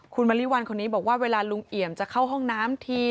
คุณมะลิวัลคนนี้บอกว่าเวลาลุงเอี่ยมจะเข้าห้องน้ำที